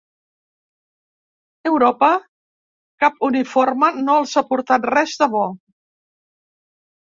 Europa cap uniforme no els ha portat res de bo.